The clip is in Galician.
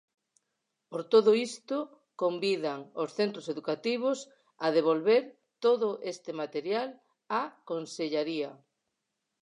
Por todo isto, convidan os centros educativos a devolver todo este material á consellaría.